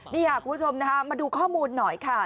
นี่ค่ะคุณผู้ชมนะคะมาดูข้อมูลหน่อยค่ะ